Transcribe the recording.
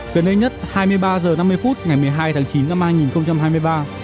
gần đây nhất hai mươi ba h năm mươi phút ngày một mươi hai tháng chín năm hai nghìn hai mươi ba